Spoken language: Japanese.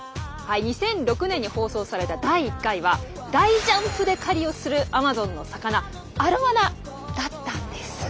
２００６年に放送された第１回は大ジャンプで狩りをするアマゾンの魚アロワナだったんです。